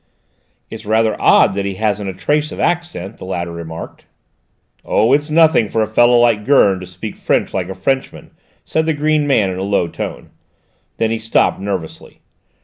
"It's rather odd that he hasn't a trace of accent," the latter remarked. "Oh, it's nothing for a fellow like Gurn to speak French like a Frenchman," said the green man in a low tone; then he stopped nervously.